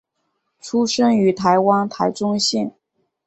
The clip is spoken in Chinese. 出生于台湾台中县。